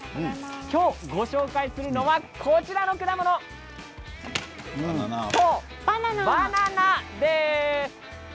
今日ご紹介するのがこちらの果物そう、バナナです。